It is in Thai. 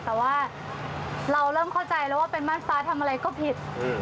แต่ว่าเราเริ่มเข้าใจแล้วว่าเป็นมั่นฟ้าทำอะไรก็ผิด